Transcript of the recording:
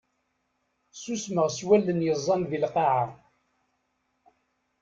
Susmeɣ s wallen yeẓẓan di lqaɛa.